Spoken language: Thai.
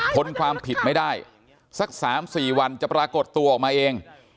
ทนความผิดไม่ได้สัก๓๔วันจะปรากฏตัวออกมาเอง